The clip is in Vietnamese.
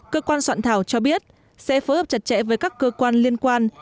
cơ quan soạn thảo cho biết sẽ phối hợp chặt chẽ với các cơ quan liên quan